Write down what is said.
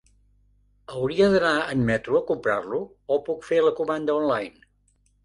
Hauria d'anar en metro a comprar-lo, o puc fer la comanda online?